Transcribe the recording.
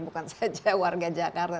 bukan saja warga jakarta